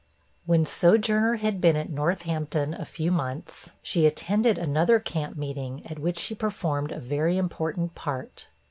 When Sojourner had been at Northampton a few months, she attended another camp meeting, at which she performed a very important part.